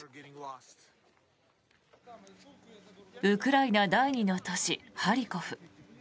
ウクライナ第２の都市ハリコフ。